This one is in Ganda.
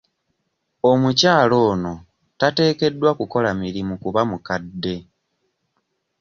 Omukyala ono tateekeddwa kukola mirimu kuba mukadde.